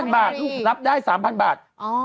๓๐๐๐บาทรับได้๓๐๐๐บาท